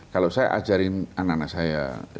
kalau saya ajarin anak anak saya